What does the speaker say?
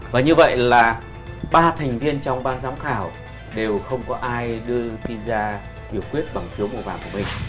và như vậy là ba thành viên trong ban giám khảo đều không có ai đưa thi ra biểu quyết bằng phiếu màu vàng của mình